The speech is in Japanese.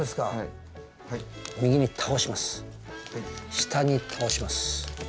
で左に倒します。